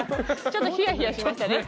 ちょっとひやひやしましたね。